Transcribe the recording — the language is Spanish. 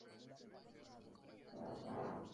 Juez", "Sol tardío" y "La señora", entre otras.